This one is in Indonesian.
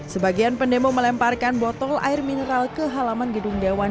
sebagian pendemo melemparkan botol air mineral ke halaman gedung dewan